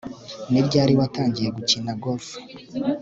Ni ryari watangiye gukina golf